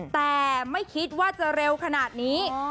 แต่ไม่คิดว่าจะเร็วขนาดนี้